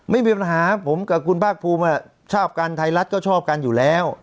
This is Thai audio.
ไม่มีปัญหาผมกับคุณภาคภูมิชอบกันไทยรัฐก็ชอบกันอยู่แล้ว